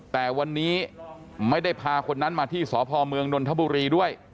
แต่วันนี้ไม่ได้พาคนนั้นมาที่สพเมืองนนทบุรีด้วย